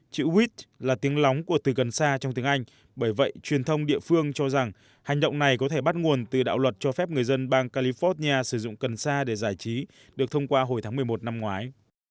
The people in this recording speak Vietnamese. chữ wit là tiếng lóng của từ gần xa trong tiếng anh bởi vậy truyền thông địa phương cho rằng hành động này có thể bắt nguồn từ đạo luật cho phép người dân bang california sử dụng cần sa để giải trí được thông qua hồi tháng một mươi một năm ngoái